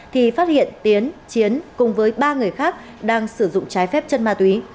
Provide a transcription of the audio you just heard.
thì phát hiện tiến chiến cùng với ba người khác đang sử dụng trái phép chân ma túy